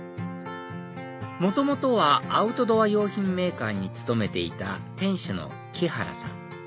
元々はアウトドア用品メーカーに勤めていた店主の木原さん